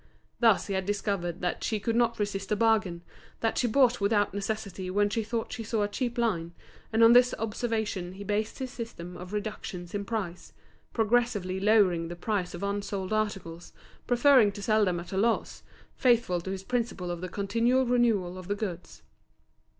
Thus he had discovered that she could not resist a bargain, that she bought without necessity when she thought she saw a cheap line, and on this observation he based his system of reductions in price, progressively lowering the price of unsold articles, preferring to sell them at a loss, faithful to his principle of the continual renewal of the goods.